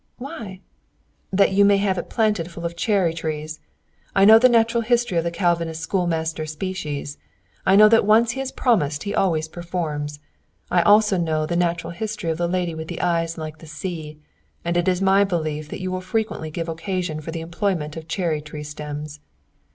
"Why?" "That you may have it planted full of cherry trees. I know the natural history of the Calvinist schoolmaster species. I know that what once he has promised he always performs. I also know the natural history of the lady with the eyes like the sea, and it is my belief that you will frequently give occasion for the employment of cherry tree stems."